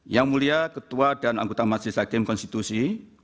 yang mulia ketua dan anggota majelis hakim konstitusi